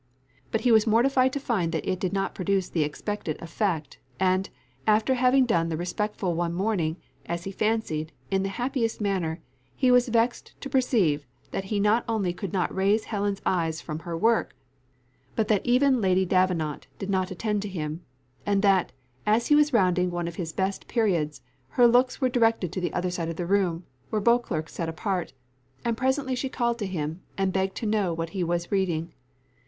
But he was mortified to find that it did not produce the expected effect, and, after having done the respectful one morning, as he fancied, in the happiest manner, he was vexed to perceive that he not only could not raise Helen's eyes from her work, but that even Lady Davenant did not attend to him: and that, as he was rounding one of his best periods, her looks were directed to the other side of the room, where Beauclerc sat apart; and presently she called to him, and begged to know what it was he was reading.